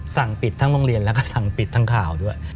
สั่งปิดทั้งโรงเรียนแล้วก็สั่งปิดทั้งข่าวด้วย